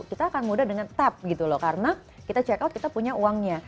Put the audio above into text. kita akan mudah dengan tap gitu loh karena kita check out kita punya uangnya